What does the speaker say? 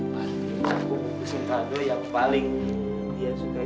baru bisa aku bukusin kado yang paling dia suka